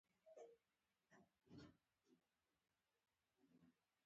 کۀ هر څو فروټس ساده شوګر يا فرکټوز لري